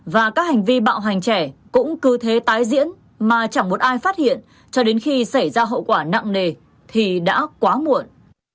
và các hành vi bạo hành trẻ cũng cứ thế tái diễn mà chẳng một ai phát hiện cho đến khi xảy ra hậu quả nặng nề thì đã quá muộn